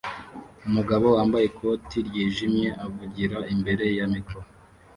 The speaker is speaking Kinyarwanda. Umugabo wambaye ikoti ryijimye avugira imbere ya mikoro